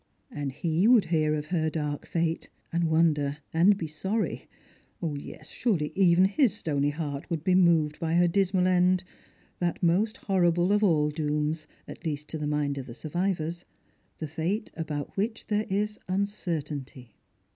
And he would hear of her dark fate, and wonder, and be sorry. Yes, surely even his stony heart would be moved by her dismal end ; that most horrible of all dooms, at least to the minds of the survivors, the fate about which there is un certainty.